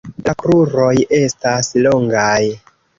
La kruroj estas longaj.